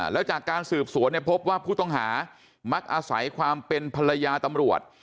แล้วจากการสืบสวนพบว่าผู้ต้องหามักอาศัยความเป็นภรรยาตำรวจ